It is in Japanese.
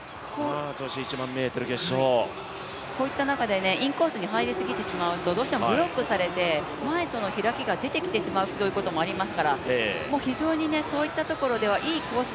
こういった中でインコースに入りすぎてしまうとどうしてもブロックされて、前との開きが出てきてしまうということもありますからもう非常にそういったところではいいコース